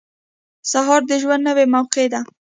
• سهار د ژوند نوې موقع ده.